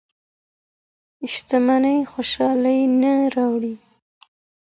شتمني خوشحالي نه راوړي.